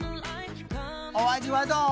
お味はどう？